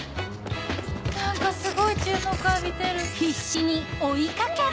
何かすごい注目浴びてるこら！